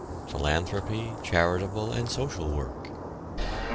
PHILANTHROPY, CHARITABLE AND SOCIAL WORK.